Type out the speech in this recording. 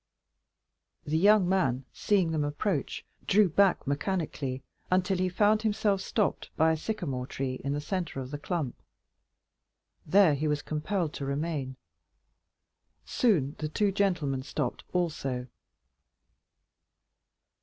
30339m The young man, seeing them approach, drew back mechanically, until he found himself stopped by a sycamore tree in the centre of the clump; there he was compelled to remain. Soon the two gentlemen stopped also.